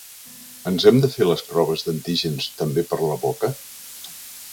Ens hem de fer les proves d’antígens també per la boca?